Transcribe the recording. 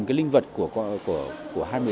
cái linh vật của hai nghìn một mươi tám